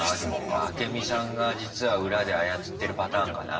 アケミさんが実は裏で操ってるパターンかな？